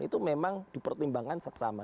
itu memang dipertimbangkan sama